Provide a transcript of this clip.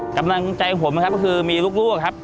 กำลังใจผมนะครับก็คือมีลูกครับ